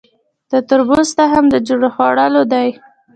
د تربوز تخم د خوړلو دی؟